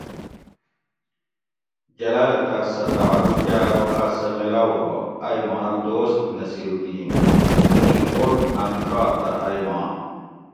جلالہ تاۤس سہ تعارف کاۤ ارو آۤس سہ میلاؤ ہو ائ ماں دوست نصیرالدین تے اِیں کوٹ اۤں ڛات تہ ائ ماں